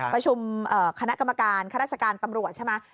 ประชุมคณะกรรมการข้าราชการตำรวจใช่ไหม